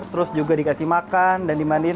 terus juga dikasih makan dan dimandiin